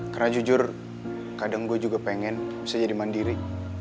karena jujur kadang gue juga pengen bisa jadi mandiri